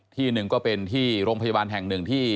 ที่หนึ่งก็เป็นที่โรงพยาบาลแห่งหนึ่งที่